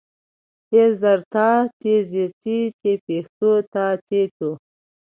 ت زر تا، ت زېر تي، ت پېښ تو، تا تي تو